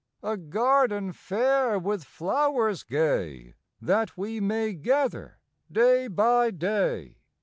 A Garden fair with flowers gay That we may gather day by day!